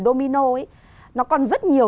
domino ấy nó còn rất nhiều